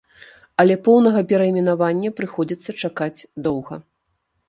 Але поўнага перайменавання прыходзіцца чакаць доўга.